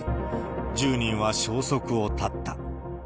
１０人は消息を絶った。